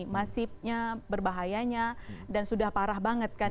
masifnya berbahayanya dan sudah parah banget kan